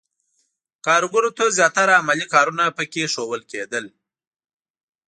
کارګرو ته زیاتره عملي کارونه پکې ښودل کېدل.